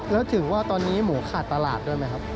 แล้วถึงว่าตอนนี้หมูขาดตลาดด้วยไหมครับ